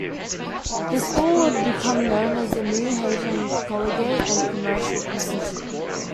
The school would become known as the New Haven Collegiate and Commercial Institute.